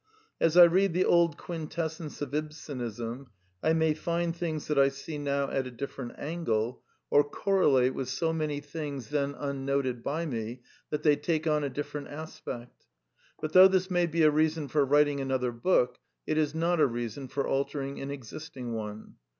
As I read the old Quintessence of Ibsenism I may find things that I see now at a different angle, or correlate with so ••• viii Preface : 1913 many things then unnoted by me that they take on a different aspect. But though this may be a rea son for writing another book, it is not a reason for altering an existing one.